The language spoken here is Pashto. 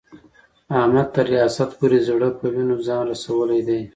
احمد تر ریاست پورې د زړه په وینو ځان رسولی دی.